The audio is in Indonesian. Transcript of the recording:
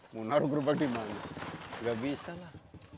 mau naruh gerupa ke dimana gak bisa lah